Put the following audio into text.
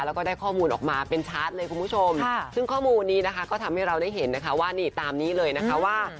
แล้วก็ได้ข้อมูลออกมาเป็นชาร์จเลยคุณผู้ชมซึ่งข้อมูลนี้นะคะก็ทำให้เราได้เห็นนะคะว่านี่ตามนี้เลยนะคะว่า